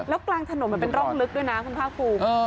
แล้วกลางถนนมันเป็นร่องลึกด้วยนะคุณภาคภูมิ